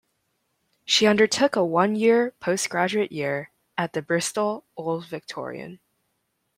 She undertook a one-year postgraduate year at the Bristol Old Vic.